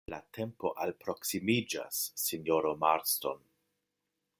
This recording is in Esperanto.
La tempo alproksimiĝas, sinjoro Marston.